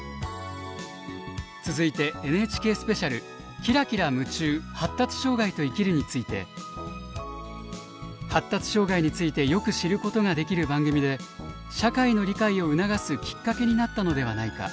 続いてＮＨＫスペシャル「キラキラムチュー発達障害と生きる」について「発達障害についてよく知ることができる番組で社会の理解を促すきっかけになったのではないか」